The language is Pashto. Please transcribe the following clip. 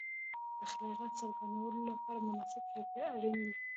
د خلاقیت د څرګندولو لپاره مناسب چاپېریال اړین دی.